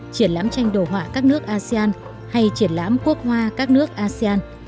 triển lãm tranh đồ họa các nước asean hay triển lãm quốc hoa các nước asean